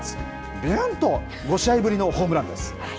びゅーんと５試合ぶりのホームランです。